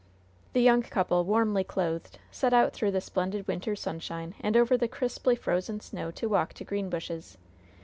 The young couple, warmly clothed, set out through the splendid winter sunshine and over the crisply frozen snow to walk to Greenbushes.